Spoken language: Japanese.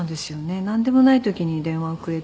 なんでもない時に電話をくれて。